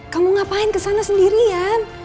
kamu ngapain kesana sendirian